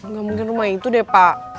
nggak mungkin rumah itu deh pak